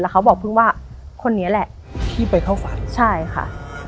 เขาบอกเพิ่งว่าคนนี้แหละที่ไปเข้าฝันใช่ค่ะ